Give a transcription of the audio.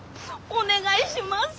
お願いします。